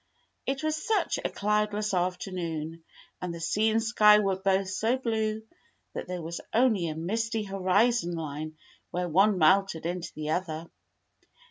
It was such a cloudless afternoon, and the sea and sky were both so blue, that there was only a misty horizon line where one melted into the other.